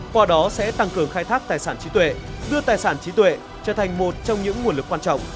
qua đó sẽ tăng cường khai thác tài sản trí tuệ đưa tài sản trí tuệ trở thành một trong những nguồn lực quan trọng